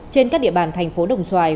trên các địa bàn thành phố đồng xoài